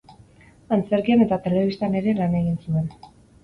Antzerkian eta telebistan ere lan egin zuen.